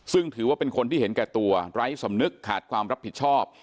ซึ่งถือว่าเป็นคนที่เห็นแก่ตัวไร้สำนึกขาดความรับผิดชอบ